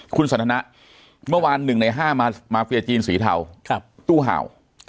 คุณสันทนะเมื่อวาน๑ใน๕มาเฟียจีนสีเทาตู้เห่า